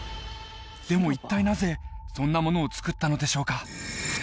でも一体なぜそんなものを造ったのでしょうか？